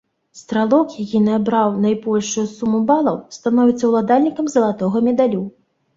Стралок, які набраў найбольшую суму балаў, становіцца ўладальнікам залатога медалю.